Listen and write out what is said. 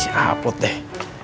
udah upload deh